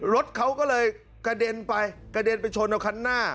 รถเขาก็เลยกระเด็นไปกระเด็นไปชนเอาคันหน้า